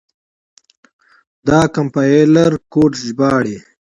دا کمپایلر کوډ ژباړي.